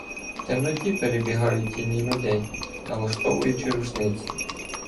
В темноті перебігають тіні людей, налаштовуючи рушниці.